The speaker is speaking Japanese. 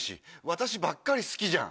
私ばっかり好きじゃん。